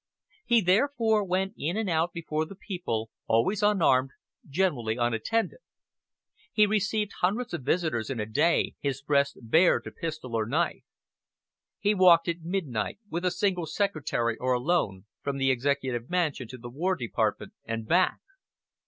He therefore went in and out before the people, always unarmed, generally unattended. He received hundreds of visitors in a day, his breast bare to pistol or knife. He walked at midnight, with a single Secretary or alone, from the Executive Mansion to the War Department and back.